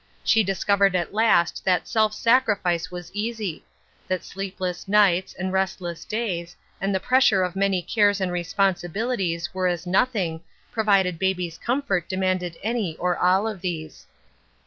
She discovered at last that self sacrifice was easy ; that sleepless nights, and restless days, and the pressure of many cares and responsibilities were as nothing, provided baby's comfort demanded any or all of these.